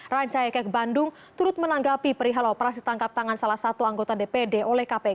ranca ekek bandung turut menanggapi perihal operasi tangkap tangan salah satu anggota dpd oleh kpk